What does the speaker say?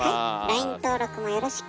ＬＩＮＥ登録もよろしく。